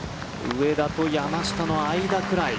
上田と山下の間くらい。